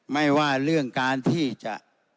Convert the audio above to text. ไม่ว่าเรื่องการที่จะ